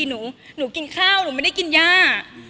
หนูกินข้าวหนูไม่ได้กินย่า